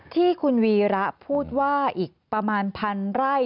ที่คุณวีระพูดว่าอีกประมาณพันไร่